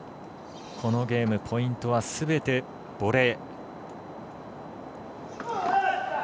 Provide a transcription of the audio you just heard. このゲーム、ポイントはすべてボレー。